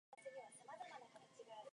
大眾運輸月票